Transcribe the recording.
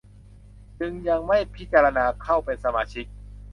จึงยังไม่พิจารณาการเข้าเป็นสมาชิก